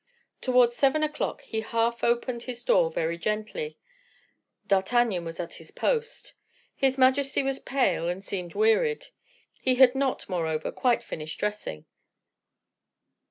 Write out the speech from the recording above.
Towards seven o'clock, he half opened his door very gently. D'Artagnan was at his post. His majesty was pale, and seemed wearied; he had not, moreover, quite finished dressing.